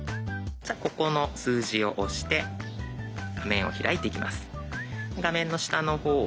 じゃここの数字を押して画面を開いていきます。